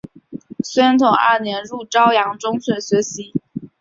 宣统二年入邵阳中学学习。